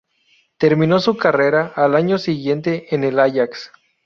Terminó su carrera al año siguiente en el Ajax.